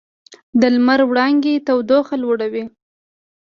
د لمر وړانګې تودوخه لوړوي.